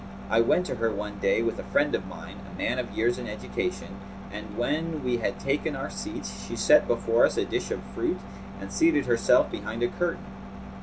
I went to her one day, with a friend of mine, a man of years and education; and when we had taken our seats, she set before us a dish of fruit and seated herself behind a curtain.